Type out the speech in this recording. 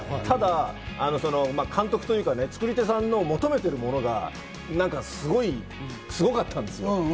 ただ監督というか、作り手さんの求めているものがなんかすごかったんですよ。